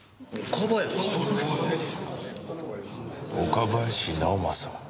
岡林直正。